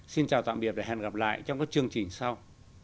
xin chào tạm biệt và hẹn gặp lại trong các chương trình sau